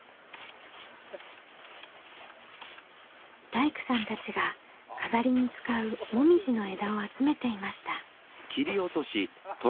大工さんたちが飾りに使うモミジの枝を集めていました。